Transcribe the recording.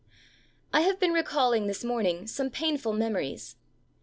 _' I have been recalling, this morning, some painful memories.